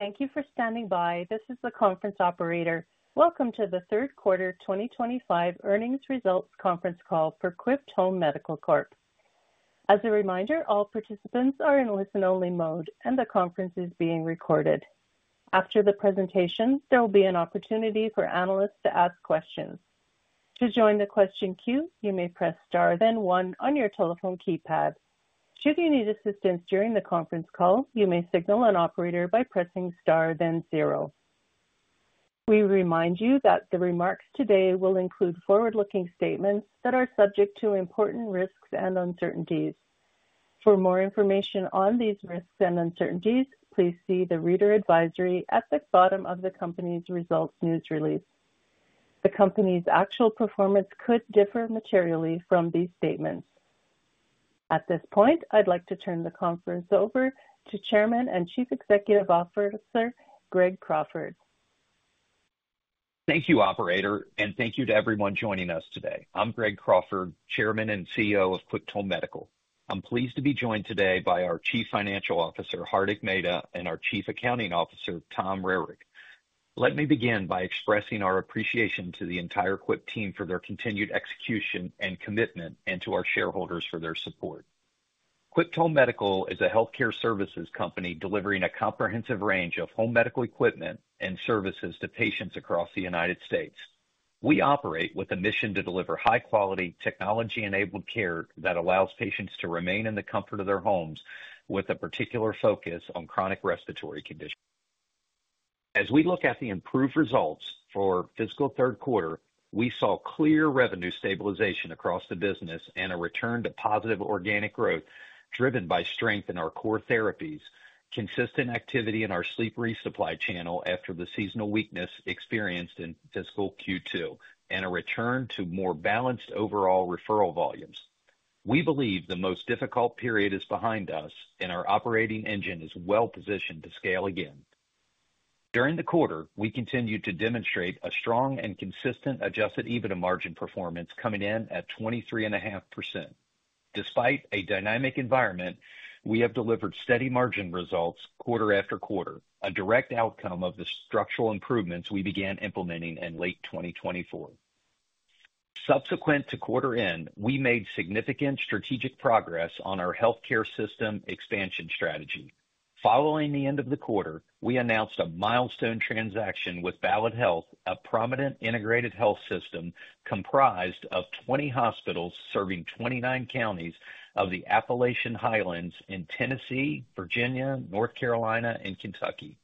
Thank you for standing by. This is the conference operator. Welcome to the third quarter 2025 earnings results conference call for Quipt Home Medical Corp. As a reminder, all participants are in listen-only mode, and the conference is being recorded. After the presentation, there will be an opportunity for analysts to ask questions. To join the question queue, you may press star, then one on your telephone keypad. Should you need assistance during the conference call, you may signal an operator by pressing star, then zero. We remind you that the remarks today will include forward-looking statements that are subject to important risks and uncertainties. For more information on these risks and uncertainties, please see the reader advisory at the bottom of the company's results news release. The company's actual performance could differ materially from these statements. At this point, I'd like to turn the conference over to Chairman and Chief Executive Officer, Greg Crawford. Thank you, Operator, and thank you to everyone joining us today. I'm Greg Crawford, Chairman and CEO of Quipt Home Medical. I'm pleased to be joined today by our Chief Financial Officer, Hardik Mehta, and our Chief Accounting Officer, Tom Rehrig. Let me begin by expressing our appreciation to the entire Quipt team for their continued execution and commitment and to our shareholders for their support. Quipt Home Medical is a healthcare services company delivering a comprehensive range of home medical equipment and services to patients across the United States. We operate with a mission to deliver high-quality, technology-enabled care that allows patients to remain in the comfort of their homes, with a particular focus on chronic respiratory conditions. As we look at the improved results for the fiscal third quarter, we saw clear revenue stabilization across the business and a return to positive organic growth driven by strength in our core therapies, consistent activity in our sleep resupply channel after the seasonal weakness experienced in fiscal Q2, and a return to more balanced overall referral volumes. We believe the most difficult period is behind us, and our operating engine is well-positioned to scale again. During the quarter, we continued to demonstrate a strong and consistent adjusted EBITDA margin performance, coming in at 23.5%. Despite a dynamic environment, we have delivered steady margin results quarter after quarter, a direct outcome of the structural improvements we began implementing in late 2024. Subsequent to quarter end, we made significant strategic progress on our healthcare system expansion strategy. Following the end of the quarter, we announced a milestone transaction with Ballad Health, a prominent integrated health system comprised of 20 hospitals serving 29 counties of the Appalachian Highlands in Tennessee, Virginia, North Carolina, and Kentucky.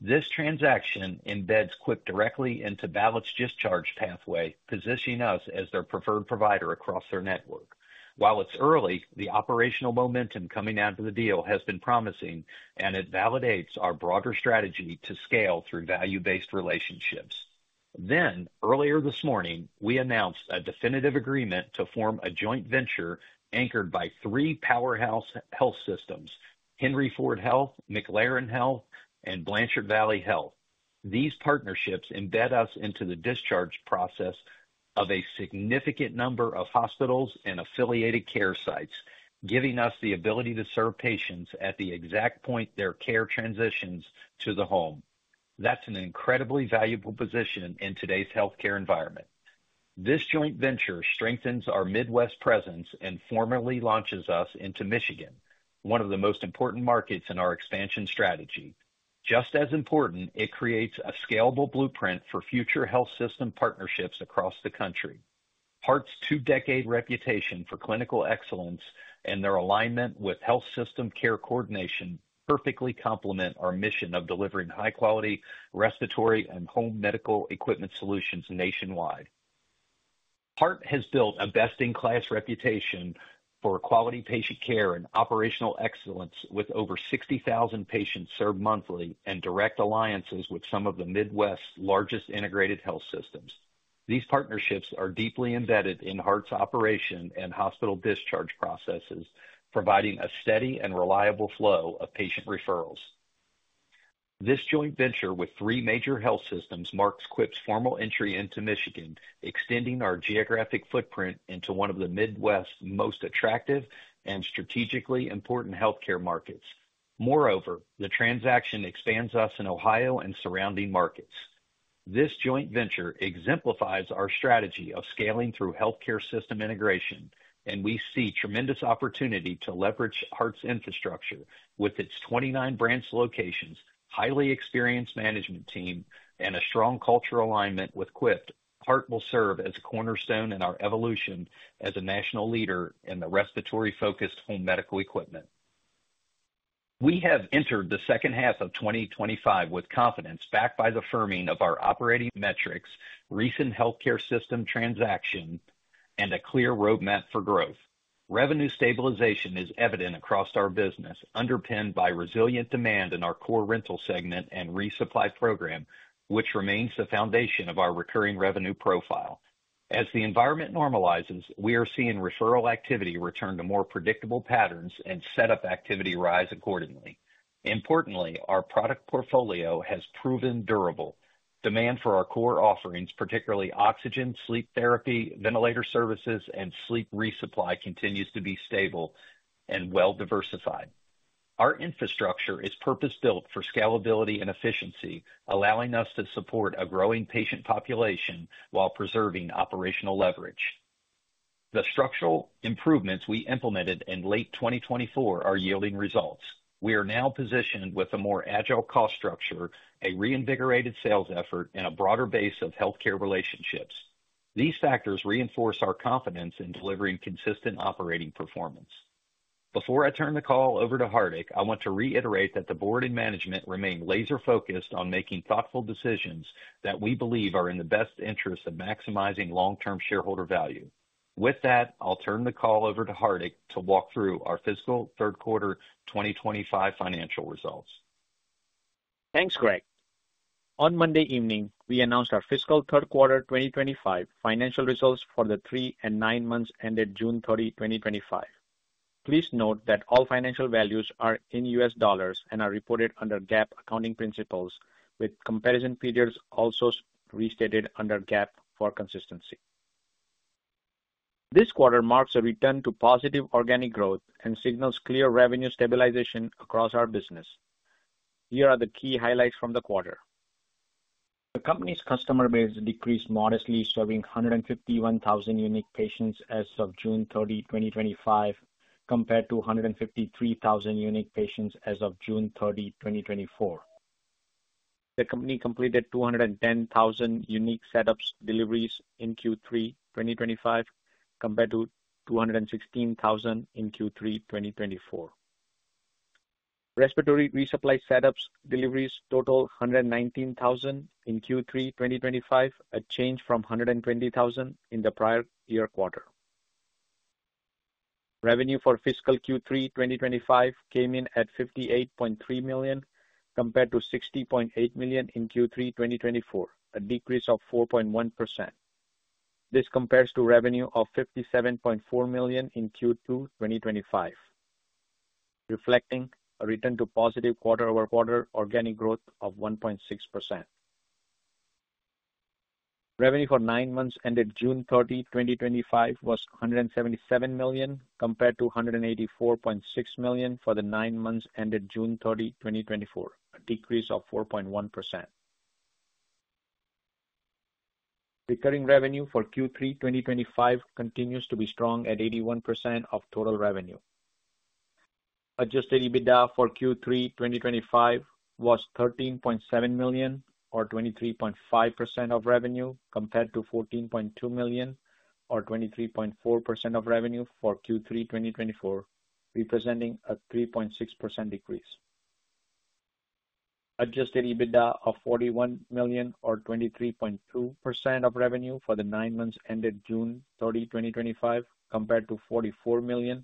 This transaction embeds Quipt directly into Ballad Health's discharge pathway, positioning us as their preferred provider across their network. While it's early, the operational momentum coming out of the deal has been promising, and it validates our broader strategy to scale through value-based relationships. Earlier this morning, we announced a definitive agreement to form a joint venture anchored by three powerhouse health systems: Henry Ford Health, McLaren Health, and Blanchard Valley Health. These partnerships embed us into the discharge process of a significant number of hospitals and affiliated care sites, giving us the ability to serve patients at the exact point their care transitions to the home. That's an incredibly valuable position in today's healthcare environment. This joint venture strengthens our Midwest presence and formally launches us into Michigan, one of the most important markets in our expansion strategy. Just as important, it creates a scalable blueprint for future health system partnerships across the country. Heart's two-decade reputation for clinical excellence and their alignment with health system care coordination perfectly complement our mission of delivering high-quality respiratory and home medical equipment solutions nationwide. Heart has built a best-in-class reputation for quality patient care and operational excellence, with over 60,000 patients served monthly and direct alliances with some of the Midwest's largest integrated health systems. These partnerships are deeply embedded in Heart's operation and hospital discharge processes, providing a steady and reliable flow of patient referrals. This joint venture with three major health systems marks Quipt's formal entry into Michigan, extending our geographic footprint into one of the Midwest's most attractive and strategically important healthcare markets. Moreover, the transaction expands us in Ohio and surrounding markets. This joint venture exemplifies our strategy of scaling through healthcare system integration, and we see tremendous opportunity to leverage Heart's infrastructure. With its 29 branch locations, highly experienced management team, and a strong cultural alignment with Quipt, Heart will serve as a cornerstone in our evolution as a national leader in the respiratory-focused home medical equipment. We have entered the second half of 2025 with confidence, backed by the firming of our operating metrics, recent healthcare system transaction, and a clear roadmap for growth. Revenue stabilization is evident across our business, underpinned by resilient demand in our core rental segment and resupply program, which remains the foundation of our recurring revenue profile. As the environment normalizes, we are seeing referral activity return to more predictable patterns and setup activity rise accordingly. Importantly, our product portfolio has proven durable. Demand for our core offerings, particularly oxygen, sleep therapy, ventilator services, and sleep resupply, continues to be stable and well-diversified. Our infrastructure is purpose-built for scalability and efficiency, allowing us to support a growing patient population while preserving operational leverage. The structural improvements we implemented in late 2024 are yielding results. We are now positioned with a more agile cost structure, a reinvigorated sales effort, and a broader base of healthcare relationships. These factors reinforce our confidence in delivering consistent operating performance. Before I turn the call over to Hardik, I want to reiterate that the Board and management remain laser-focused on making thoughtful decisions that we believe are in the best interests of maximizing long-term shareholder value. With that, I'll turn the call over to Hardik to walk through our Fiscal Third Quarter 2025 Financial Results. Thanks, Greg. On Monday evening, we announced our Fiscal Third Quarter 2025 Financial Results for the three and nine months ended June 30, 2025. Please note that all financial values are in U.S. dollars and are reported under GAAP accounting principles, with comparison periods also restated under GAAP for consistency. This quarter marks a return to positive organic growth and signals clear revenue stabilization across our business. Here are the key highlights from the quarter. The company's customer base decreased modestly, serving 151,000 unique patients as of June 30, 2025, compared to 153,000 unique patients as of June 30, 2024. The company completed 210,000 unique setups deliveries in Q3 2025, compared to 216,000 in Q3 2024. Respiratory resupply setups deliveries total 119,000 in Q3 2025, a change from 120,000 in the prior year quarter. Revenue for fiscal Q3 2025 came in at $58.3 million, compared to $60.8 million in Q3 2024, a decrease of 4.1%. This compares to revenue of $57.4 million in Q2 2025, reflecting a return to positive quarter-over-quarter organic growth of 1.6%. Revenue for nine months ended June 30, 2025 was $177 million, compared to $184.6 million for the nine months ended June 30, 2024, a decrease of 4.1%. Recurring revenue for Q3 2025 continues to be strong at 81% of total revenue. Adjusted EBITDA for Q3 2025 was $13.7 million, or 23.5% of revenue, compared to $14.2 million, or 23.4% of revenue for Q3 2024, representing a 3.6% decrease. Adjusted EBITDA of $41 million, or 23.2% of revenue for the nine months ended June 30, 2025, compared to $44 million,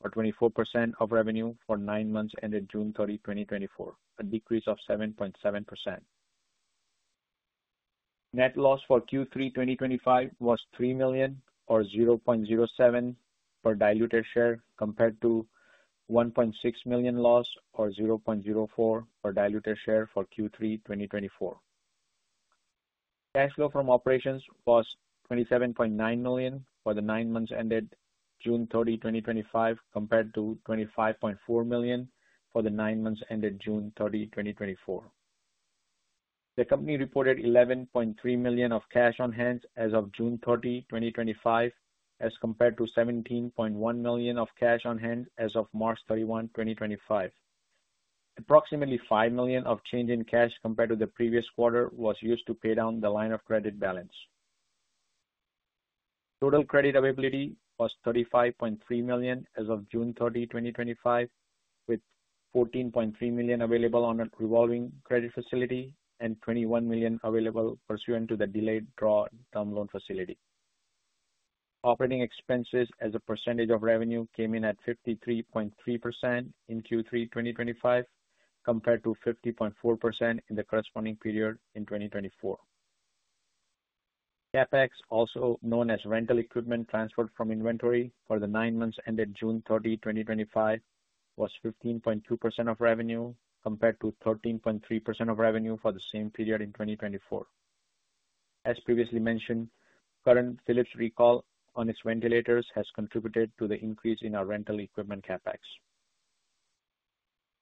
or 24% of revenue for nine months ended June 30, 2024, a decrease of 7.7%. Net loss for Q3 2025 was $3 million, or $0.07/diluted share, compared to $1.6 million loss, or $0.04/diluted share for Q3 2024. Cash flow from operations was $27.9 million for the nine months ended June 30, 2025, compared to $25.4 million for the nine months ended June 30, 2024. The company reported $11.3 million of cash on hand as of June 30, 2025, as compared to $17.1 million of cash on hand as of March 31, 2025. Approximately $5 million of change in cash compared to the previous quarter was used to pay down the line of credit balance. Total credit availability was $35.3 million as of June 30, 2025, with $14.3 million available on a revolving credit facility and $21 million available pursuant to the delayed draw in the loan facility. Operating expenses as a percentage of revenue came in at 53.3% in Q3 2025, compared to 50.4% in the corresponding period in 2024. CapEx, also known as rental equipment transferred from inventory for the nine months ended June 30, 2025, was 15.2% of revenue, compared to 13.3% of revenue for the same period in 2024. As previously mentioned, the current Philips recall on its ventilators has contributed to the increase in our rental equipment CapEx.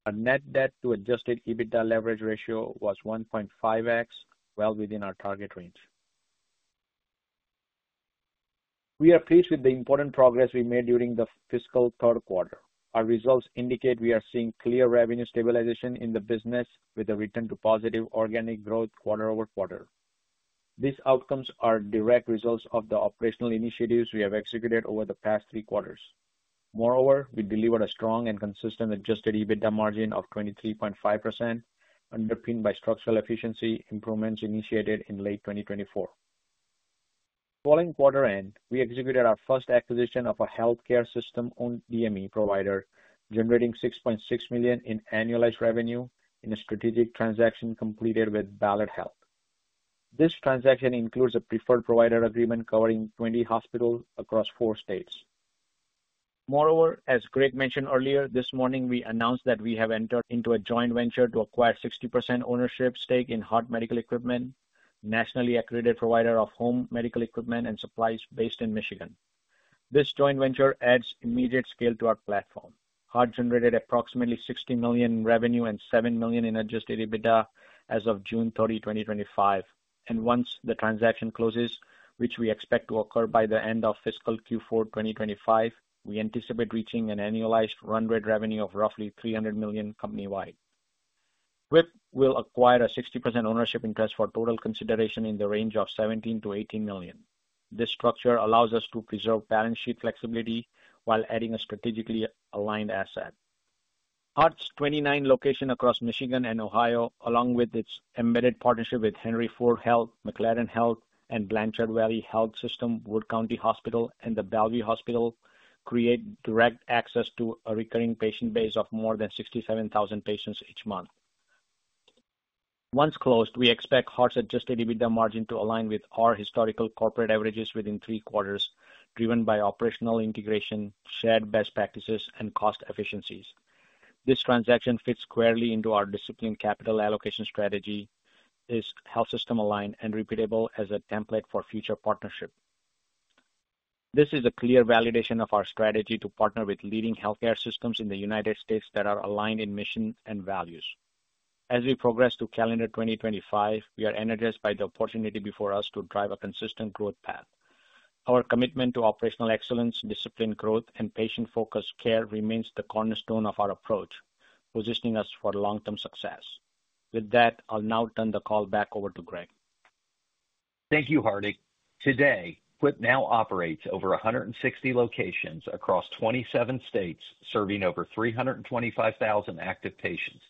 Our net debt to adjusted EBITDA leverage ratio was 1.5x, well within our target range. We are pleased with the important progress we made during the fiscal third quarter. Our results indicate we are seeing clear revenue stabilization in the business, with a return to positive organic growth quarter-over-quarter. These outcomes are direct results of the operational initiatives we have executed over the past three quarters. Moreover, we delivered a strong and consistent adjusted EBITDA margin of 23.5%, underpinned by structural efficiency improvements initiated in late 2024. Following quarter end, we executed our first acquisition of a healthcare system-owned DME provider, generating $6.6 million in annualized revenue in a strategic transaction completed with Ballad Health. This transaction includes a preferred provider agreement covering 20 hospitals across four states. Moreover, as Greg mentioned earlier, this morning we announced that we have entered into a joint venture to acquire a 60% ownership stake in Heart Medical Equipment, a nationally accredited provider of home medical equipment and supplies based in Michigan. This joint venture adds immediate scale to our platform. Heart generated approximately $60 million in revenue and $7 million in adjusted EBITDA as of June 30, 2025, and once the transaction closes, which we expect to occur by the end of fiscal Q4 2025, we anticipate reaching an annualized run rate revenue of roughly $300 million company-wide. Quipt will acquire a 60% ownership interest for total consideration in the range of $17 million-$18 million. This structure allows us to preserve balance sheet flexibility while adding a strategically aligned asset. Heart's 29 locations across Michigan and Ohio, along with its embedded partnership with Henry Ford Health, McLaren Health, and Blanchard Valley Health System, Wood County Hospital, and The Bellevue Hospital, create direct access to a recurring patient base of more than 67,000 patients each month. Once closed, we expect Heart's adjusted EBITDA margin to align with our historical corporate averages within three quarters, driven by operational integration, shared best practices, and cost efficiencies. This transaction fits squarely into our disciplined capital allocation strategy, is health system aligned and repeatable as a template for future partnership. This is a clear validation of our strategy to partner with leading healthcare systems in the United States that are aligned in mission and values. As we progress to calendar 2025, we are energized by the opportunity before us to drive a consistent growth path. Our commitment to operational excellence, disciplined growth, and patient-focused care remains the cornerstone of our approach, positioning us for long-term success. With that, I'll now turn the call back over to Greg. Thank you, Hardik. Today, Quipt now operates over 160 locations across 27 states, serving over 325,000 active patients.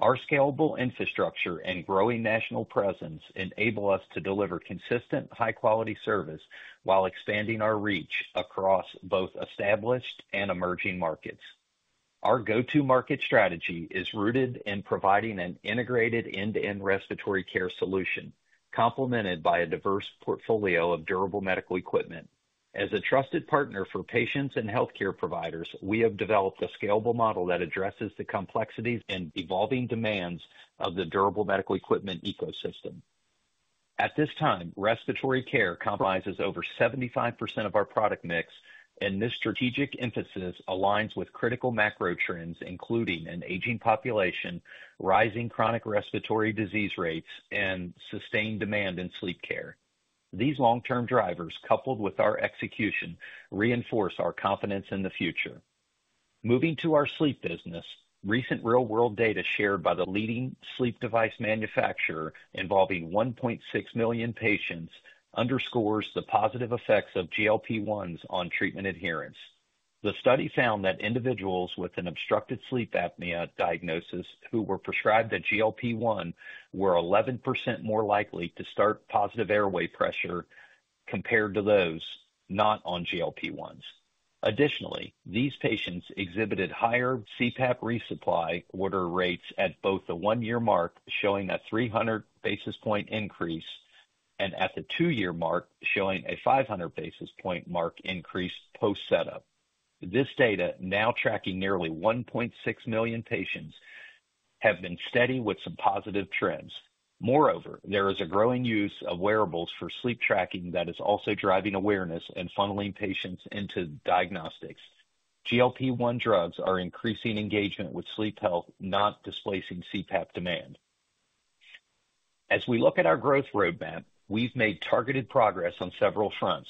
Our scalable infrastructure and growing national presence enable us to deliver consistent, high-quality service while expanding our reach across both established and emerging markets. Our go-to-market strategy is rooted in providing an integrated end-to-end respiratory care solution, complemented by a diverse portfolio of durable medical equipment. As a trusted partner for patients and healthcare providers, we have developed a scalable model that addresses the complexities and evolving demands of the durable medical equipment ecosystem. At this time, respiratory care comprises over 75% of our product mix, and this strategic emphasis aligns with critical macro-trends, including an aging population, rising chronic respiratory disease rates, and sustained demand in sleep care. These long-term drivers, coupled with our execution, reinforce our confidence in the future. Moving to our sleep business, recent real-world data shared by the leading sleep device manufacturer, involving 1.6 million patients, underscores the positive effects of GLP-1s on treatment adherence. The study found that individuals with an obstructive sleep apnea diagnosis who were prescribed a GLP-1 were 11% more likely to start positive airway pressure compared to those not on GLP-1s. Additionally, these patients exhibited higher CPAP resupply order rates at both the one-year mark, showing a 300 basis point increase, and at the two-year mark, showing a 500 basis point increase post-setup. This data, now tracking nearly 1.6 million patients, has been steady with some positive trends. Moreover, there is a growing use of wearables for sleep tracking that is also driving awareness and funneling patients into diagnostics. GLP-1 medications are increasing engagement with sleep health, not displacing CPAP demand. As we look at our growth roadmap, we've made targeted progress on several fronts.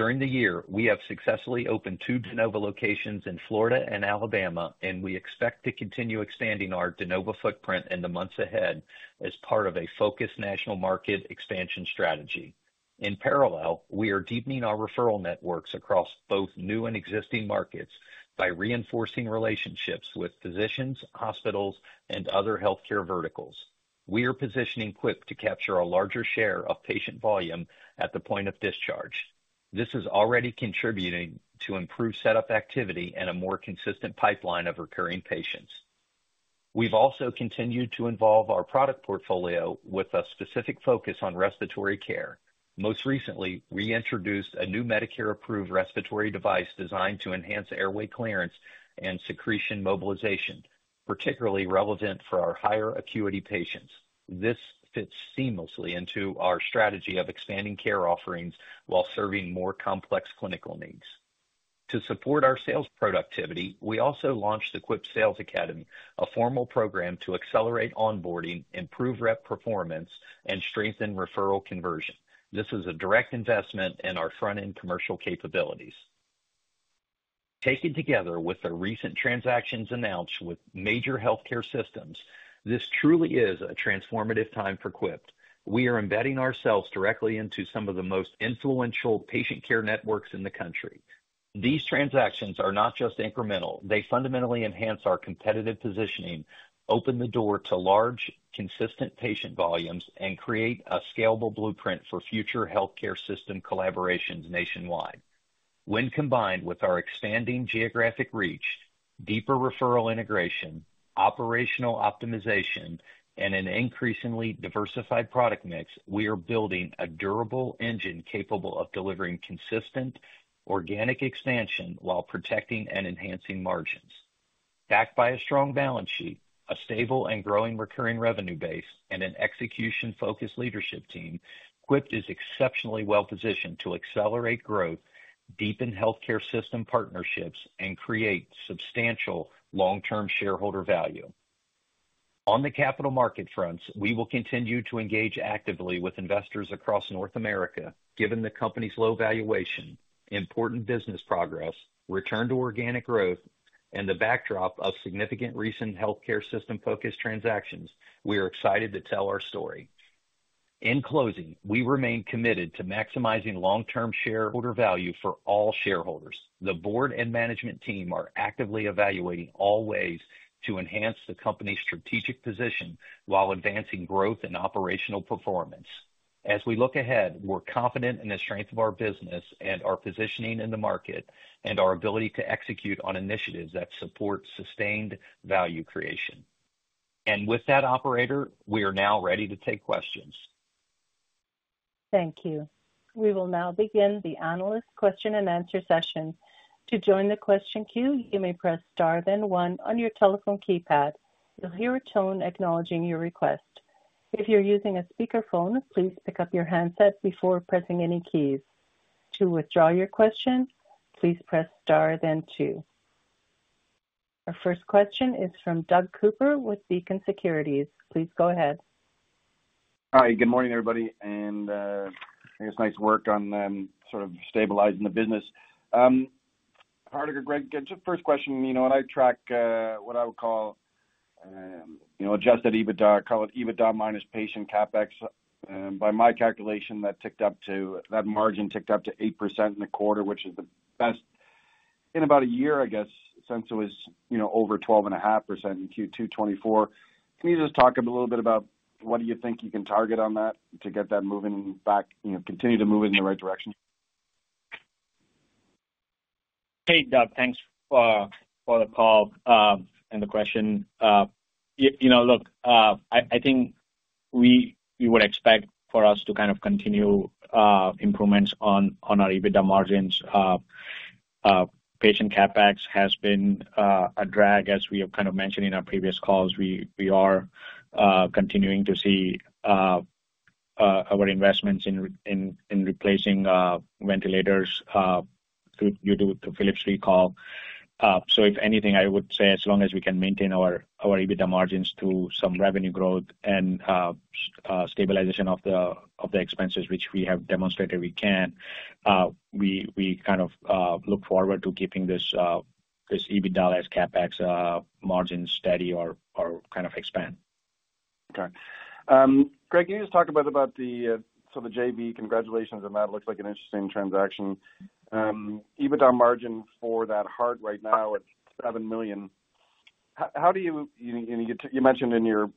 During the year, we have successfully opened two De Novo locations in Florida and Alabama, and we expect to continue expanding our De Novo footprint in the months ahead as part of a focused national market expansion strategy. In parallel, we are deepening our referral networks across both new and existing markets by reinforcing relationships with physicians, hospitals, and other healthcare verticals. We are positioning Quipt to capture a larger share of patient volume at the point of discharge. This is already contributing to improved setup activity and a more consistent pipeline of recurring patients. We've also continued to evolve our product portfolio with a specific focus on respiratory care. Most recently, we introduced a new Medicare-approved respiratory device designed to enhance airway clearance and secretion mobilization, particularly relevant for our higher acuity patients. This fits seamlessly into our strategy of expanding care offerings while serving more complex clinical needs. To support our sales productivity, we also launched the Quipt Sales Academy, a formal program to accelerate onboarding, improve rep performance, and strengthen referral conversion. This is a direct investment in our front-end commercial capabilities. Taken together with the recent transactions announced with major healthcare systems, this truly is a transformative time for Quipt. We are embedding ourselves directly into some of the most influential patient care networks in the country. These transactions are not just incremental, they fundamentally enhance our competitive positioning, open the door to large, consistent patient volumes, and create a scalable blueprint for future healthcare system collaborations nationwide. When combined with our expanding geographic reach, deeper referral integration, operational optimization, and an increasingly diversified product mix, we are building a durable engine capable of delivering consistent organic expansion while protecting and enhancing margins. Backed by a strong balance sheet, a stable and growing recurring revenue base, and an execution-focused leadership team, Quipt is exceptionally well-positioned to accelerate growth, deepen healthcare system partnerships, and create substantial long-term shareholder value. On the capital market fronts, we will continue to engage actively with investors across North America, given the company's low valuation, important business progress, return to organic growth, and the backdrop of significant recent healthcare system-focused transactions. We are excited to tell our story. In closing, we remain committed to maximizing long-term shareholder value for all shareholders. The Board and management team are actively evaluating all ways to enhance the company's strategic position while advancing growth and operational performance. As we look ahead, we're confident in the strength of our business, our positioning in the market, and our ability to execute on initiatives that support sustained value creation. With that, Operator, we are now ready to take questions. Thank you. We will now begin the analyst question and answer session. To join the question queue, you may press star, then one on your telephone keypad. You'll hear a tone acknowledging your request. If you're using a speaker phone, please pick up your handset before pressing any keys. To withdraw your question, please press star, then two. Our first question is from Doug Cooper with Beacon Securities. Please go ahead. Hi, good morning everybody, and I guess nice work on sort of stabilizing the business. Hardik or Greg, get your first question. You know, when I track what I would call, you know, adjusted EBITDA, call it EBITDA minus patient CapEx, by my calculation, that ticked up to, that margin ticked up to 8% in the quarter, which is the best in about a year, I guess, since it was, you know, over 12.5% in Q2 2024. Can you just talk a little bit about what do you think you can target on that to get that moving back, you know, continue to move it in the right direction? Hey Doug, thanks for the call and the question. You know, look, I think we would expect for us to kind of continue improvements on our EBITDA margins. Patient CapEx has been a drag, as we have kind of mentioned in our previous calls. We are continuing to see our investments in replacing ventilators due to the Philips recall. If anything, I would say as long as we can maintain our EBITDA margins through some revenue growth and stabilization of the expenses, which we have demonstrated we can, we kind of look forward to keeping this EBITDA as CapEx margin steady or kind of expand. Okay. Greg, you just talked about the, so the JV, congratulations on that. It looks like an interesting transaction. EBITDA margin for that Heart right now at $7 million. How do you, you mentioned in your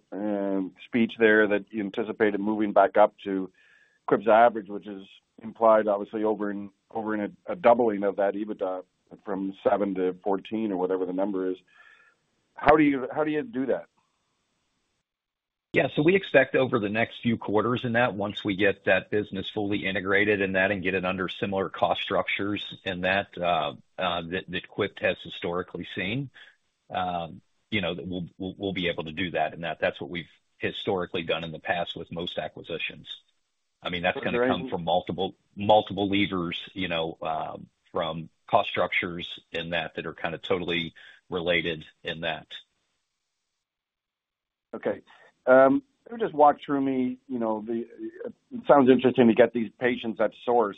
speech there that you anticipated moving back up to Quipt's average, which is implied obviously over in a doubling of that EBITDA from $7 million-$14 million or whatever the number is. How do you do that? Yeah, we expect over the next few quarters, once we get that business fully integrated and get it under similar cost structures that Quipt has historically seen, we'll be able to do that. That's what we've historically done in the past with most acquisitions. That's going to come from multiple levers, from cost structures that are kind of totally related. Okay. Can you just walk through me, you know, it sounds interesting to get these patients at source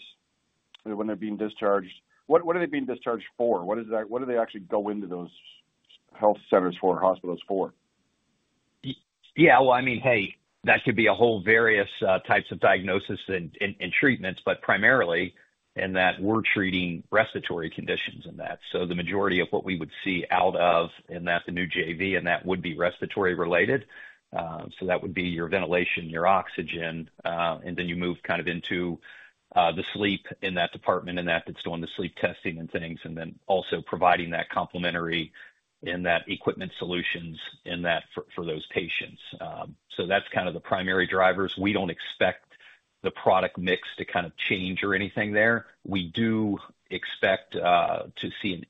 when they're being discharged. What are they being discharged for? What do they actually go into those health centers for, hospitals for? Yeah, I mean, that could be a whole various types of diagnosis and treatments, but primarily in that we're treating respiratory conditions in that. The majority of what we would see out of in that, the new JV in that would be respiratory related. That would be your ventilation, your oxygen, and then you move kind of into the sleep in that department in that that's doing the sleep testing and things, and then also providing that complimentary in that equipment solutions in that for those patients. That's kind of the primary drivers. We don't expect the product mix to kind of change or anything there. We do expect to see an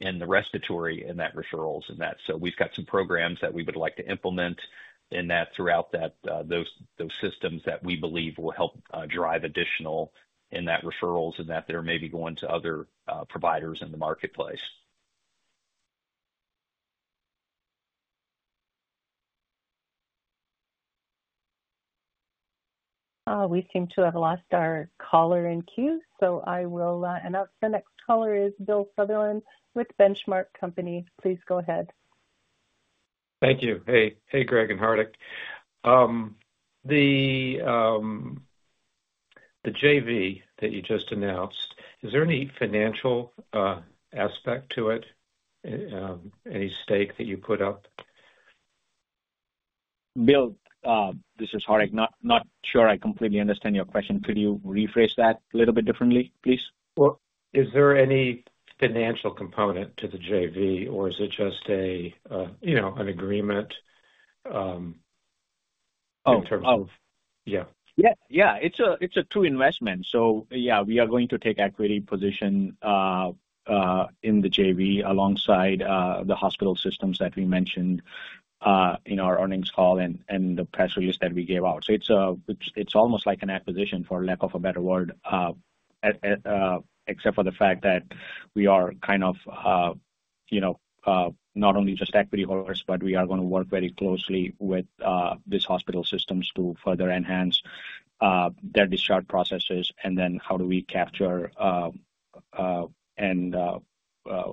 increase in the respiratory in that referrals in that. We've got some programs that we would like to implement in that throughout those systems that we believe will help drive additional in that referrals in that they're maybe going to other providers in the marketplace. We seem to have lost our caller in queue, so I will announce the next caller is Bill Sutherland with the Benchmark Company. Please go ahead. Thank you. Hey Greg and Hardik, the JV that you just announced, is there any financial aspect to it? Any stake that you put up? Bill, this is Hardik. Not sure I completely understand your question. Could you rephrase that a little bit differently, please? Is there any financial component to the JV, or is it just an agreement in terms of, yeah. Yeah, yeah, it's a true investment. We are going to take an equity position in the JV alongside the hospital systems that we mentioned in our earnings call and the press release that we gave out. It's almost like an acquisition for lack of a better word, except for the fact that we are kind of, you know, not only just equity holders, but we are going to work very closely with these hospital systems to further enhance their discharge processes. How do we capture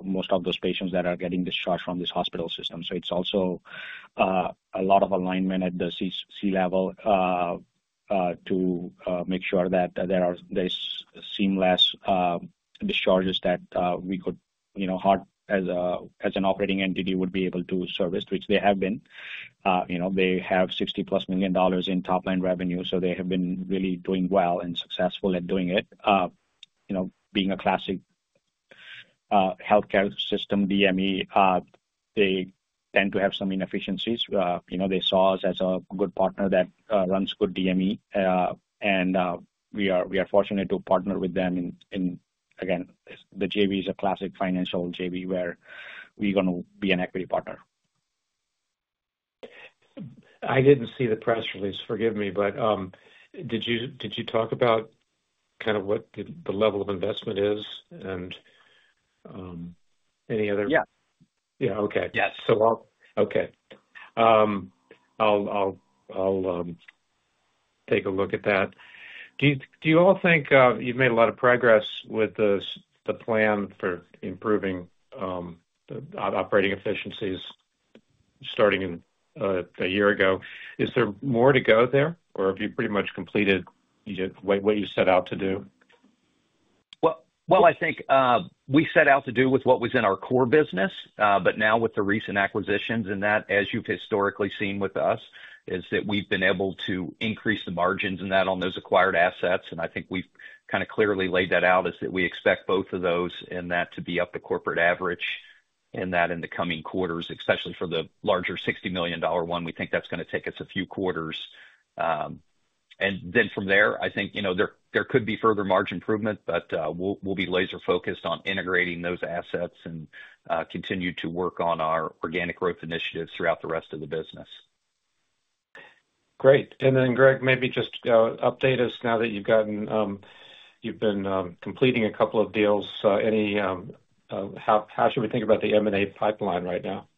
most of those patients that are getting discharged from this hospital system? There is also a lot of alignment at the C-level to make sure that there are these seamless discharges that we could, you know, Heart as an operating entity would be able to service, which they have been. They have $60+ million in top line revenue, so they have been really doing well and successful at doing it. Being a classic healthcare system DME, they tend to have some inefficiencies. They saw us as a good partner that runs good DME, and we are fortunate to partner with them. Again, the JV is a classic financial JV where we're going to be an equity partner. I didn't see the press release, forgive me, but did you talk about what the level of investment is and any other? Yeah. Yeah, okay. Yes. I'll take a look at that. Do you all think you've made a lot of progress with the plan for improving operating efficiencies starting a year ago? Is there more to go there, or have you pretty much completed what you set out to do? I think we set out to do with what was in our core business, but now with the recent acquisitions, as you've historically seen with us, we've been able to increase the margins on those acquired assets. I think we've kind of clearly laid that out as we expect both of those to be up to corporate average in the coming quarters, especially for the larger $60 million one. We think that's going to take us a few quarters. From there, I think there could be further margin improvement, but we'll be laser-focused on integrating those assets and continue to work on our organic growth initiatives throughout the rest of the business. Great. Greg, maybe just update us now that you've gotten, you've been completing a couple of deals. How should we think about the M&A pipeline right now?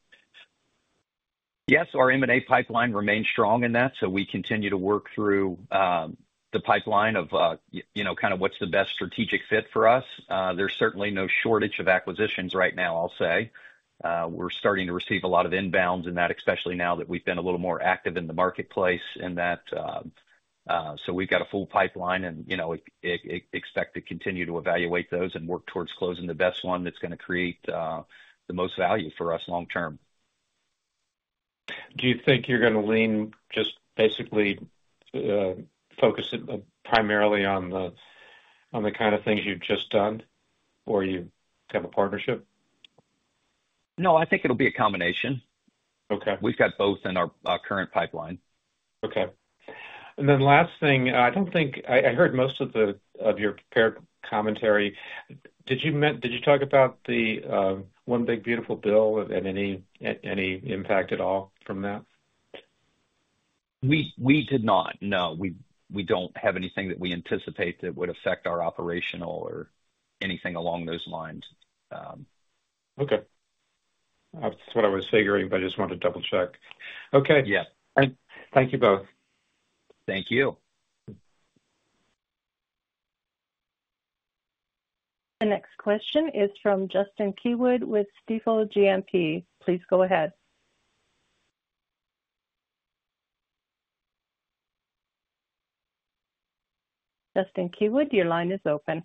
Yeah, our M&A pipeline remains strong. We continue to work through the pipeline of, you know, kind of what's the best strategic fit for us. There's certainly no shortage of acquisitions right now, I'll say. We're starting to receive a lot of inbounds, especially now that we've been a little more active in the marketplace. We've got a full pipeline and expect to continue to evaluate those and work towards closing the best one that's going to create the most value for us long term. Do you think you're going to lean just basically focus it primarily on the kind of things you've just done or you have a partnership? No, I think it'll be a combination. Okay. We've got both in our current pipeline. Okay. I don't think I heard most of your commentary. Did you talk about the one big beautiful bill and any impact at all from that? We did not. No, we don't have anything that we anticipate that would affect our operational or anything along those lines. Okay, that's what I was figuring, but I just wanted to double-check. Okay. Yeah. Thank you both. Thank you. The next question is from Justin Keywood with Stifel GMP. Please go ahead. Justin Keywood, your line is open.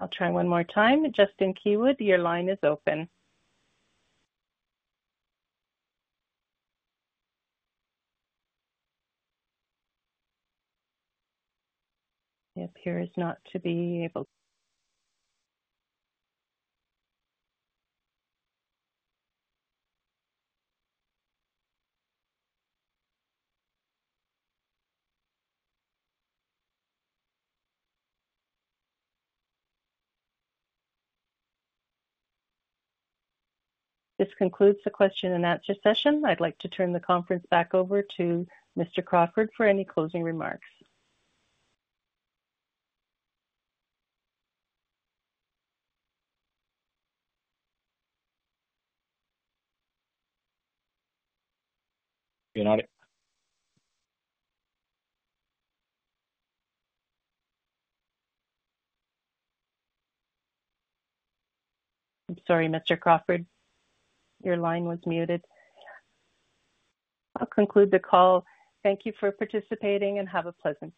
I'll try one more time. Justin Keywood, your line is open. He appears not to be able. This concludes the question and answer session. I'd like to turn the conference back over to Mr. Crawford for any closing remarks. You're not. I'm sorry, Mr. Crawford. Your line was muted. I'll conclude the call. Thank you for participating and have a pleasant.